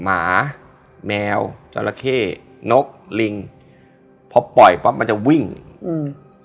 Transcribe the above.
หมาแมวจราเข้นกลิงพอปล่อยปั๊บมันจะวิ่งอืม